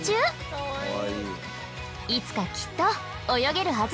いつかきっと泳げるはず。